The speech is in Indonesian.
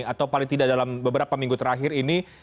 atau paling tidak dalam beberapa minggu terakhir ini